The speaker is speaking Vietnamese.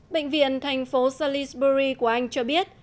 bệnh viện thành phố salisbury của anh cho biết